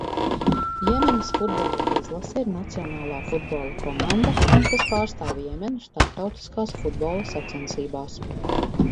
Jemenas futbola izlase ir nacionālā futbola komanda, kas pārstāv Jemenu starptautiskās futbola sacensībās.